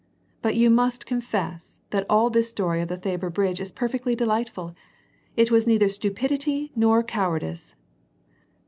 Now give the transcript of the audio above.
But you must con fess that all this story of the Thabor bridge is perfectly delightful. It was neither stupidity nor cowardice."